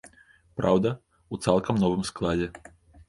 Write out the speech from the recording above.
Праўда, у цалкам новым складзе.